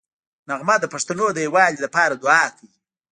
نغمه د پښتنو د یووالي لپاره دوعا کوي